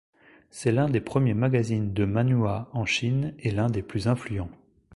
C'est l'un des premiers magazines de manhua en Chine et l'un des plus influents.